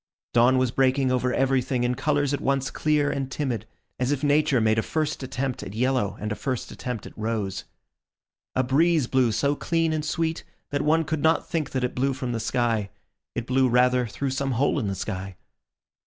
Dawn was breaking over everything in colours at once clear and timid; as if Nature made a first attempt at yellow and a first attempt at rose. A breeze blew so clean and sweet, that one could not think that it blew from the sky; it blew rather through some hole in the sky.